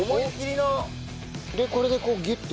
これでこうギュッと。